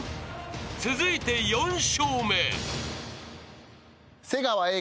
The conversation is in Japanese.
［続いて４笑目］